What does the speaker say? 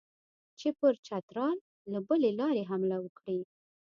چې پر چترال له بلې لارې حمله وکړي.